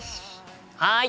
はい！